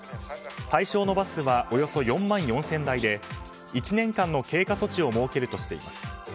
対象のバスはおよそ４万４０００台で１年間の経過措置を設けるとしています。